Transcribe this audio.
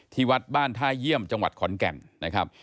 ที่บ้านท่าเยี่ยมจังหวัดขอนแก่นนะครับ